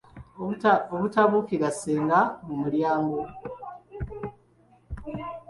Obutabuukira ssenga mu mulyango.